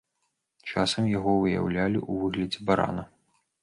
Часам, яго выяўлялі ў выглядзе барана.